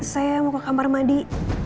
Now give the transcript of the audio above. saya mau ke kamar mandi